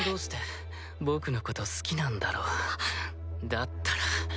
だったら。